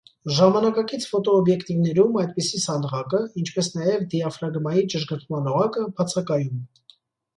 Ժամանակակից ֆոտոօբյեկտիվներում այդպիսի սանդղակը (ինչպես նաև դիաֆրագմայի ճշգրտման օղակը) բացակայում։